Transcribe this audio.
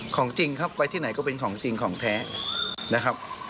ของจริงครับไว้ที่ไหนก็เป็นของจริงของแท้นะครับ